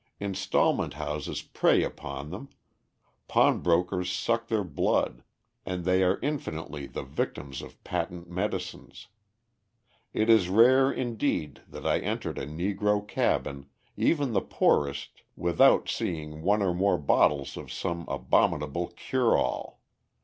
Installment houses prey upon them, pawnbrokers suck their blood, and they are infinitely the victims of patent medicines. It is rare, indeed, that I entered a Negro cabin, even the poorest, without seeing one or more bottles of some abominable cure all.